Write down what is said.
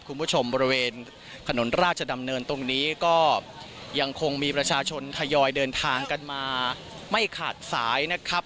บริเวณถนนราชดำเนินตรงนี้ก็ยังคงมีประชาชนทยอยเดินทางกันมาไม่ขาดสายนะครับ